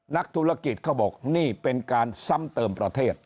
นักธุรกิจเขาบอกนี่เป็นการซ้ำเติมประเทศ